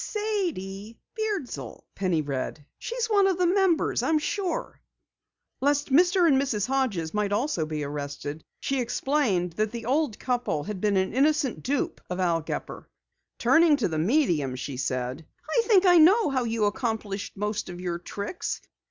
"Sadie Beardsell," Penny read. "She's one of the members, I am sure." Lest Mr. and Mrs. Hodges might also be arrested, she explained that the old couple had been an innocent dupe of Al Gepper. Turning to the medium she said: "I think I know how you accomplished most of your tricks.